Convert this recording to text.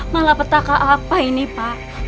malapetaka apa ini pak